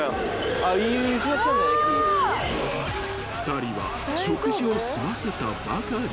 ［２人は食事を済ませたばかり］